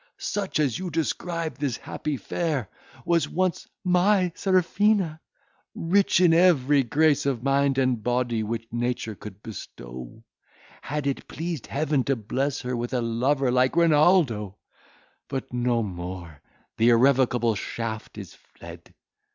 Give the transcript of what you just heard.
Such as you describe this happy fair, was once my Serafina, rich in every grace of mind and body which nature could bestow. Had it pleased Heaven to bless her with a lover like Renaldo! but no more, the irrevocable shaft is fled.